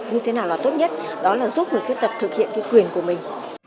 cái cách hỗ trợ người khuyết tật như thế nào là tốt nhất đó là giúp người khuyết tật thực hiện quyền của mình